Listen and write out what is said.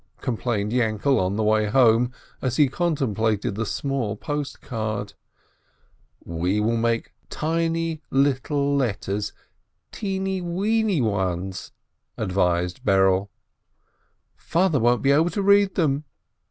complained Yainkele, on the way home, as he contemplated the small post card. "We will make little tiny letters, teeny weeny ones !" advised Berele. "Father won't be able to read them!"